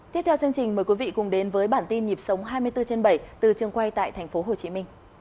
tiếp theo chương trình mời quý vị cùng đến với bản tin nhịp sống hai mươi bốn trên bảy từ trường quay tại tp hcm